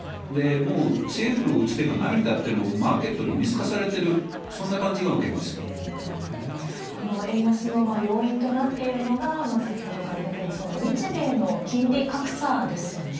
もう政府の打つ手がないんだってのをマーケットに見透かされてる、円安の要因となっているのが、先ほどから出ています、この日米の金利格差ですよね。